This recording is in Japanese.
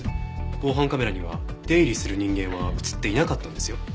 防犯カメラには出入りする人間は映っていなかったんですよ。